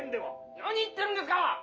「何言ってるんですか！